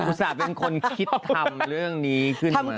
ส่าห์เป็นคนคิดทำเรื่องนี้ขึ้นมา